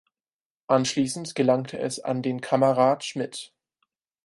Anschließend gelangte es an den Kammerrat Schmid.